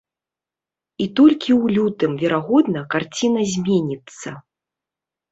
І толькі ў лютым, верагодна, карціна зменіцца.